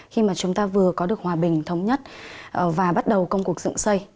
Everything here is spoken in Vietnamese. khi mà chúng ta vừa có được hòa bình thống nhất và bắt đầu công cuộc dựng xây